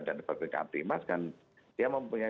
dan pak binza timas kan dia mempunyai